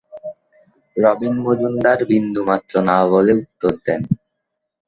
রবীন মজুমদার ‘‘বিন্দুমাত্র না’’ বলে উত্তর দেন।